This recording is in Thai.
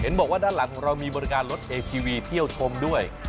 บอกว่าด้านหลังของเรามีบริการรถเอทีวีเที่ยวชมด้วย